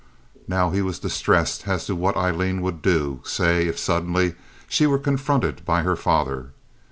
Now he was distressed as to what Aileen would do, say if suddenly she were confronted by her father.